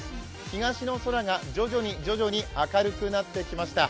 東の空が徐々に徐々に明るくなってきました。